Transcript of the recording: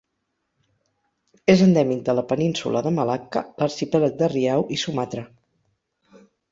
És endèmic de la península de Malacca, l'arxipèlag de Riau i Sumatra.